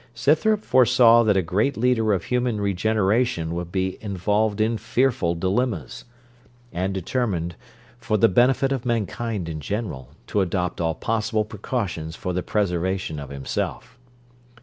Scythrop foresaw that a great leader of human regeneration would be involved in fearful dilemmas, and determined, for the benefit of mankind in general, to adopt all possible precautions for the preservation of himself.